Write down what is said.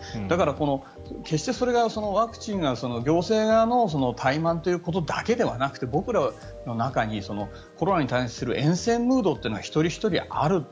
だからこの決してそれがワクチンが行政側の怠慢ということだけではなくて僕らの中にコロナに対するえん戦ムードというのが一人ひとりある。